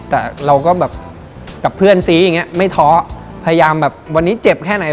แต่เราก็แบบกับเพื่อนซีอย่างเงี้ไม่ท้อพยายามแบบวันนี้เจ็บแค่ไหน